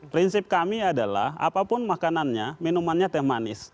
prinsip kami adalah apapun makanannya minumannya teh manis